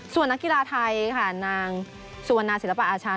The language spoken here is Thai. ส่วนนักกีฬาไทยค่ะนางสุวรรณาศิลปะอาชา